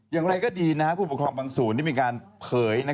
อย่างไรก็ดีผู้ปกครองบางส่วนได้มีการเผย